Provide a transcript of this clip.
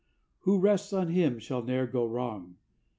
Who rests on Him Shall ne'er go wrong.